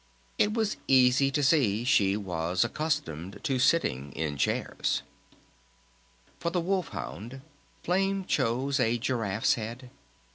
It was easy to see she was accustomed to sitting in chairs. For the Wolf Hound Flame chose a Giraffe's head.